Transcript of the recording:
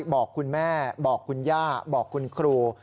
บอกคุณแม่บอกคุณย่าบอกคุณครู